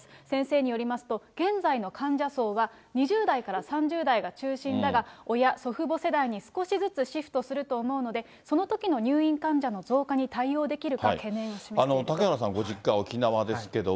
先生によりますと、現在の患者層は、２０代から３０代が中心だが、親、祖父母世代に少しずつシフトすると思うので、そのときの入院患者の増加に対応できるか懸念はしていますと。